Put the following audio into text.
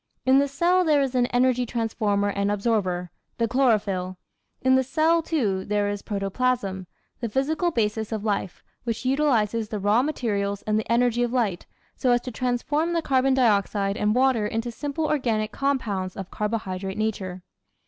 In the cell there is an energy transformer and absorber, the chlorophyll. In the cell, too, there is protoplasm, the physical basis of life, which utilises the raw materials and the energy of light, so as to transform the carbon dioxide and water into simple organic compounds of carbohydrate nature.